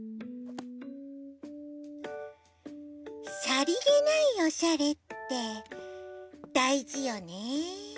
「さりげないおしゃれ」ってだいじよね。